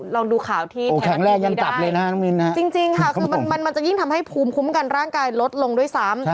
ลองดูข่าวที่แถมนักดูดีได้จริงค่ะมันจะยิ่งทำให้ภูมิคุ้มกันร่างกายลดลงด้วยซ้ำ